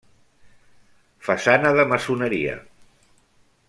Façana de maçoneria.